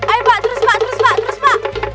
eh pak terus pak terus pak terus pak